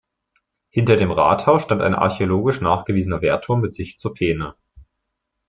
Hinter dem Rathaus stand ein archäologisch nachgewiesener Wehrturm mit Sicht zur Peene.